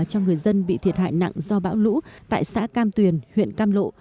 cho người dân bị thiệt hại nặng do bão lũ tại xã cam tuyền huyện cam lộ